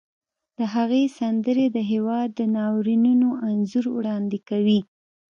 د هغې سندرې د هېواد د ناورینونو انځور وړاندې کوي